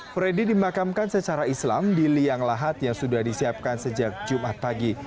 freddy dimakamkan secara islam di liang lahat yang sudah disiapkan sejak jumat pagi